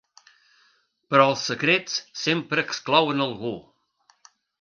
Però els secrets sempre exclouen algú.